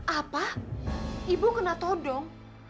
apa ibu kena todong